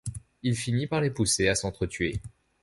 Il finit par les pousser à s'entretuer.